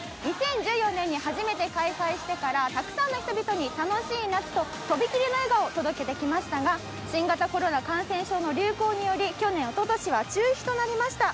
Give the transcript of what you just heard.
２０１４年に初めて開催してからたくさんの人々に楽しい夏ととびきりの笑顔を届けてきましたが新型コロナ感染症の流行により去年、おととしは中止となりました。